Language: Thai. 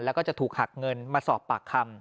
แล้วก็จะถูกหักเงินมาสอบปากคำ